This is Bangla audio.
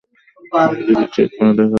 অন্যদিকটা চেক করে দেখা যাক।